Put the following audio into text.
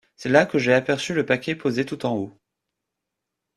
C’est là que j’ai aperçu le paquet posé tout en haut.